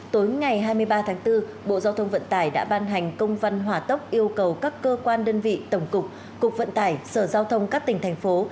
tối ngày hai mươi ba tháng bốn bộ giao thông vận tải đã ban hành công văn hỏa tốc yêu cầu các cơ quan đơn vị tổng cục cục vận tải sở giao thông các tỉnh thành phố